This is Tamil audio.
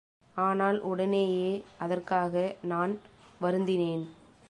ஆனால் உடனேயே அதற்காக நான் வருந்தினேன்.